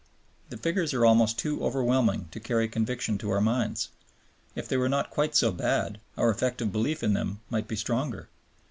The figures are almost too overwhelming to carry conviction to our minds; if they were not quite so bad, our effective belief in them might be stronger.